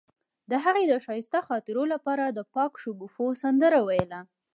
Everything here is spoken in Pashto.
هغې د ښایسته خاطرو لپاره د پاک شګوفه سندره ویله.